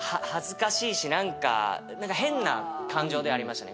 何か変な感情ではありましたね。